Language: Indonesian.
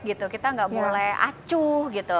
gitu kita nggak boleh acuh gitu